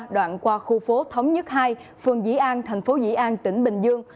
đoạn qua khu phố thống nhất hai phường dĩ an thành phố dĩ an tỉnh bình dương